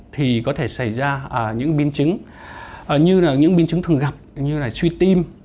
thì có thể xảy ra những biến chứng thường gặp như là truy tim